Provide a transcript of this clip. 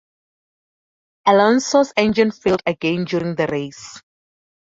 Alonso's engine failed again during the race.